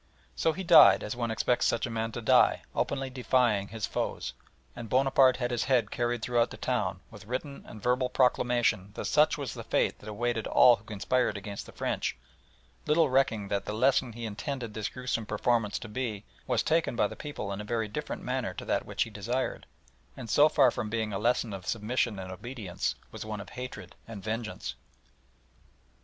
So he died as one expects such a man to die, openly defying his foes, and Bonaparte had his head carried through the town, with written and verbal proclamation that such was the fate that awaited all who conspired against the French, little recking that the lesson he intended this gruesome performance to be was taken by the people in a very different manner to that which he desired, and so far from being a lesson of submission and obedience, was one of hatred and vengeance.